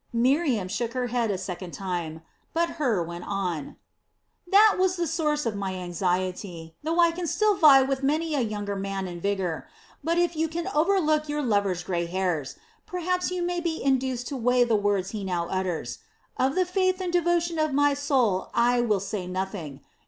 Miriam shook her head a second time, but Hur went on: "That was the source of my anxiety, though I can still vie with many a younger man in vigor. But, if you can overlook your lover's grey hairs, perhaps you may be induced to weigh the words he now utters. Of the faith and devotion of my soul I will say nothing.